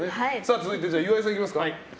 続いて岩井さんいきますか。